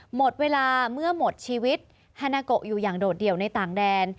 หมดเวลาเมื่อหมดชีวิตฮานาโกอยู่อย่างโดดเดี่ยวในต่างแดน